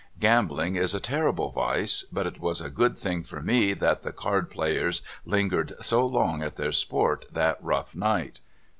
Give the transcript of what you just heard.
Gambling is a terrible vice, but it was a good thing for me that the card play ers lingered so long at their sport that rough night.